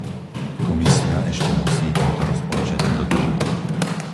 Komisia ešte musí tento rozpočet dodržať.